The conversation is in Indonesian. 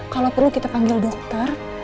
kalau perlu kita panggil dokter